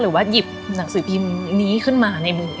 หรือว่าหยิบหนังสือพิมพ์นี้ขึ้นมาในมือ